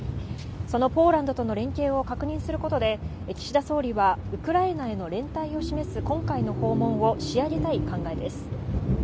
そのポーランドとの連携を確認することで、岸田総理はウクライナへの連帯を示す今回の訪問を仕上げたい考えです。